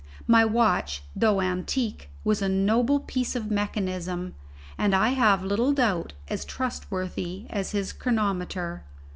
My watch, though antique, was a noble piece of mechanism, and I have little doubt, as trustworthy as his chronometer.